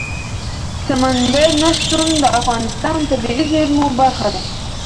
سمندر نه شتون د افغانستان د طبیعي زیرمو برخه ده.